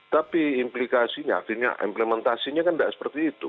tapi implikasinya artinya implementasinya kan tidak seperti itu